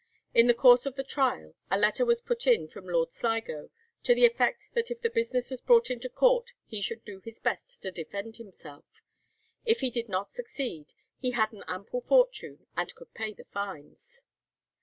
In the course of the trial a letter was put in from Lord Sligo, to the effect that if the business was brought into court he should do his best to defend himself; if he did not succeed, he had an ample fortune, and could pay the fines.